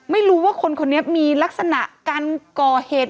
ไม่รู้ว่าคนคนนี้มีลักษณะการก่อเหตุ